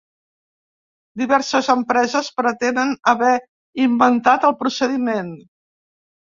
Diverses empreses pretenen haver inventat el procediment.